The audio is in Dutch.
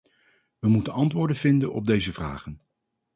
We moeten antwoorden vinden op deze vragen.